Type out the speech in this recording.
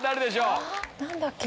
何だっけ？